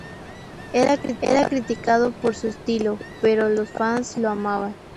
Era criticado por su estilo, pero los fans lo amaban.